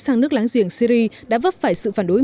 sang nước láng giềng syri đã vấp phải sự phản đối